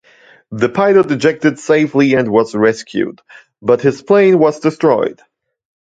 The pilot ejected safely and was rescued, but his plane was destroyed.